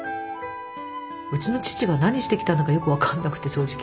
うちの父が何してきたんだかよく分かんなくて正直。